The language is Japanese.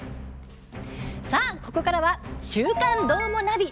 さあ、ここからは「週刊どーもナビ」。